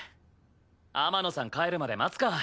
天野さん帰るまで待つか。